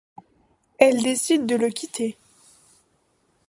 Elle décide de le quitter.